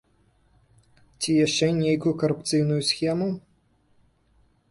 Ці яшчэ нейкую карупцыйную схему?